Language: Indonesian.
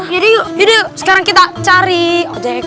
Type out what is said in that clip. yuk sekarang kita cari ojek